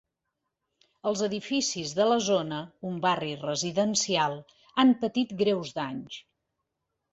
Els edificis de la zona, un barri residencial, han patit greus danys.